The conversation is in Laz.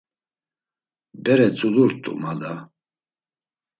Bere tzulurt̆u, ma da!